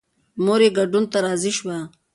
مور یې ګډون ته راضي شوه.